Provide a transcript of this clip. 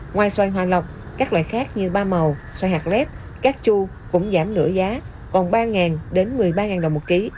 ngoài xoài hòa lọc các loại khác như ba màu xoài hạt lép cát chu cũng giảm nửa giá còn ba đến một mươi ba đồng một ký